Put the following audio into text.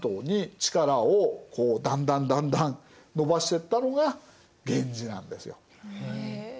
力をだんだんだんだん伸ばしてったのが源氏なんですよ。へえ。